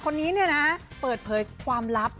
คนนี้นะเปิดเพยร์สความลับ